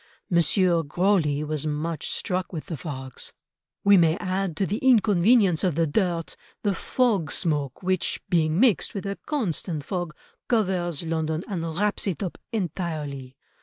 M. Grosley was much struck with the fogs: "We may add to the inconvenience of the dirt the fog smoke which, being mixed with a constant fog, covers London and wraps it up entirely....